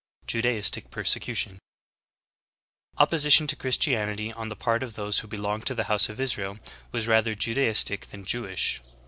JUDAISTIC PERSECUTION.^ 8. Opposition to Christianity on the part of those who belonged to the House of Israel was rather Judaistic than Jewish.